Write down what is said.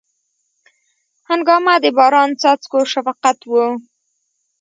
هنګامه د باران څاڅکو شفقت و